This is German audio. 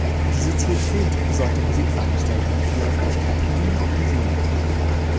Die Sozietät sollte Musikveranstaltungen für die Öffentlichkeit in Wien organisieren.